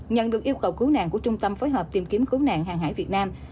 nhận được yêu cầu cứu nạn của trung tâm phối hợp tìm kiếm cứu nạn hàng hải việt nam